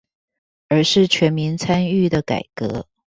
而是全民參與的改革